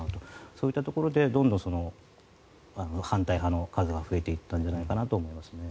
そういったところでどんどん反対派の数が増えていったんじゃないかと思いますね。